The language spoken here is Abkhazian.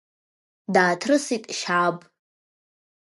Дааҭрысит Шьааб.